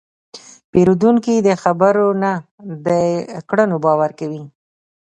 پیرودونکی د خبرو نه، د کړنو باور کوي.